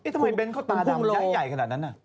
ทำไมเบ้นเขาตาดาวมันใหญ่ขนาดนั้นน่ะ